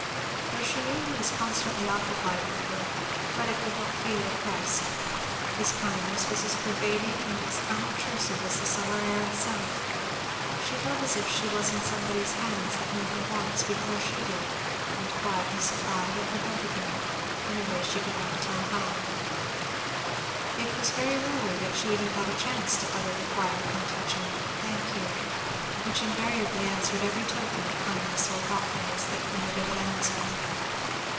Though she knew he was constantly occupied with her Fleda could not feel oppressed; his kindness was as pervading and as unobtrusive as the summer air itself; she felt as if she was in somebody's hands that knew her wants before she did, and quietly supplied or prevented them, in a way she could not tell how. It was very rarely that she even got a chance to utter the quiet and touching "thank you," which invariably answered every token of kindness or thoughtfulness that permitted an answer.